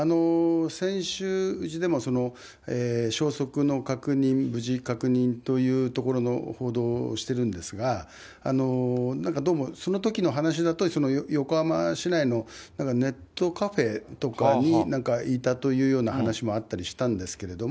先週、うちでも消息の確認、無事確認というところの報道をしてるんですが、なんかどうもそのときの話だと、横浜市内のネットカフェとかにいたというような話もあったりしたんですけども、